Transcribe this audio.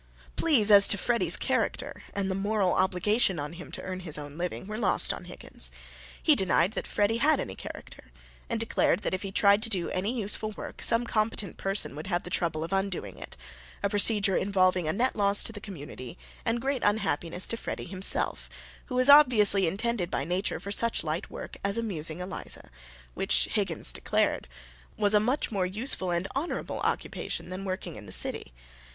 Pleas as to Freddy's character, and the moral obligation on him to earn his own living, were lost on Higgins. He denied that Freddy had any character, and declared that if he tried to do any useful work some competent person would have the trouble of undoing it: a procedure involving a net loss to the community, and great unhappiness to Freddy himself, who was obviously intended by Nature for such light work as amusing Eliza, which, Higgins declared, was a much more useful and honorable occupation than working in the city.